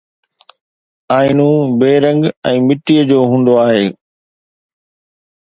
آئينو بي رنگ ۽ مٽيءَ جو هوندو آهي